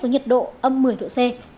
với nhiệt độ âm một mươi độ c